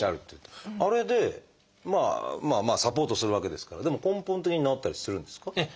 あれでまあサポートするわけですからでも根本的に治ったりするんですか？